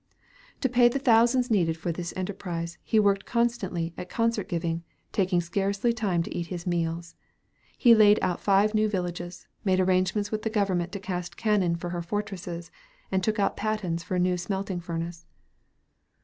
To pay the thousands needed for this enterprise he worked constantly at concert giving, taking scarcely time to eat his meals. He laid out five new villages, made arrangements with the government to cast cannon for her fortresses, and took out patents for a new smelting furnace.